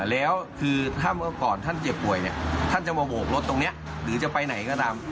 แล้วคือถ้าเมื่อก่อนท่านเจ็บป่วยเนี่ยท่านจะมาโบกรถตรงนี้หรือจะไปไหนก็ตาม